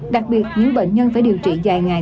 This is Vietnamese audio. đặc biệt những bệnh nhân phải điều trị dài ngày